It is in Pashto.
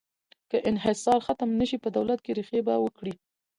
که انحصار ختم نه شي، په دولت کې ریښې به وکړي.